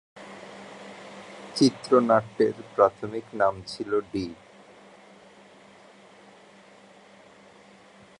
চিত্রনাট্যের প্রাথমিক নাম ছিল "ডি।"